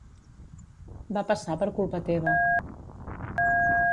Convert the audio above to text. Va passar per culpa teva.